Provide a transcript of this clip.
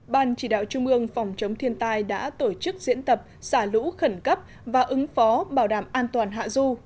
ban chỉ đạo trung ương phòng chống thiên tai đã tổ chức diễn tập xả lũ khẩn cấp và ứng phó bảo đảm an toàn hạ du